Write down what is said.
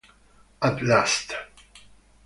At Last